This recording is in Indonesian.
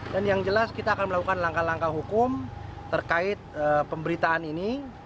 dan yang jelas kita akan melakukan langkah langkah hukum terkait pemberitaan ini